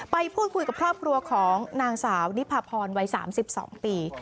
ไปพูดคุยกับครอบครัวของนางสาวนิพาพรวัย๓๒ปี